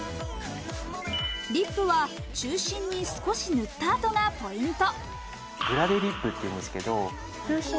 リップは中心に少し塗ったあとがポイント。